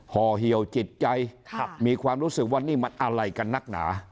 ห่อเหี่ยวจิตใจมีความรู้สึกว่านี่มันอะไรกันนักหนา